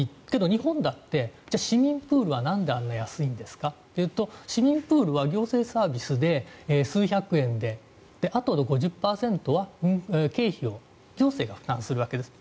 日本だって市民プールはなんであんなに安いんですか？というと市民プールは行政サービスで数百円であとの５０％は経費を行政が負担するわけです。